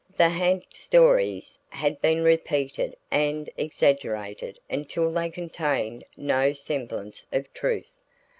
The ha'nt stories had been repeated and exaggerated until they contained no semblance of truth.